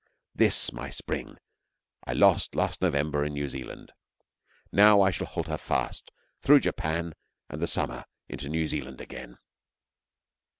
This, my spring, I lost last November in New Zealand. Now I shall hold her fast through Japan and the summer into New Zealand again.